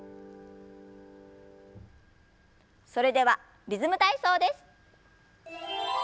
それでは「リズム体操」です。